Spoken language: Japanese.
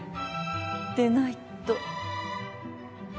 でないと。